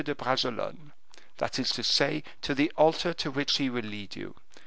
de Bragelonne; that is to say, to the altar to which he will lead you.